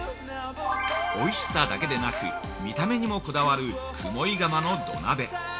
おいしさだけでなく見た目にもこだわる雲井窯の土鍋。